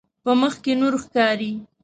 په مخ کې نور ښکاري.